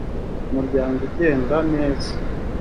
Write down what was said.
umuryango ugenda neza.